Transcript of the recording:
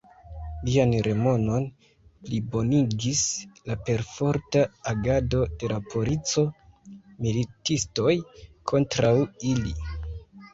Ĝian renomon plibonigis la perforta agado de la polico, militistoj kontraŭ ili.